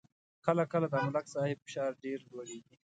کله کله د ملک صاحب فشار ډېر لوړېږي.